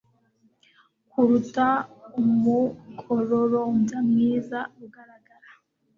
kuruta umukororombya mwiza ugaragara